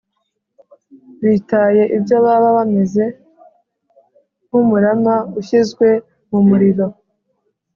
Bitaye ibyo baba bameze nk’umurama ushyizwe mu muriro.